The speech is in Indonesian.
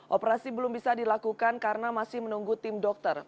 operasi belum bisa dilakukan karena masih menunggu tim dokter